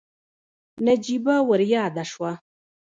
نجيبه ورياده شوه.